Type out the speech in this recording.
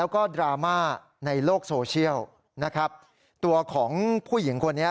ก็ดราม่าในโลกโซเชียลตัวของผู้หญิงคนนี้